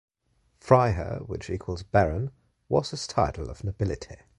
"Freiherr", which equals "Baron", was his title of nobility.